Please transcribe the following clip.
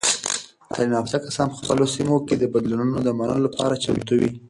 تعلیم یافته کسان په خپلو سیمو کې د بدلونونو د منلو لپاره چمتو وي.